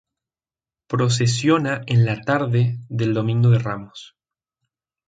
Procesiona en la tarde del Domingo de Ramos.